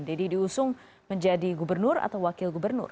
deddy diusung menjadi gubernur atau wakil gubernur